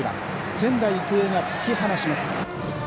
仙台育英が突き放します。